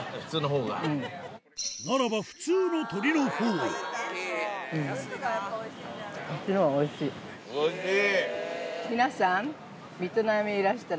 ならば普通の鶏のフォーおいしい！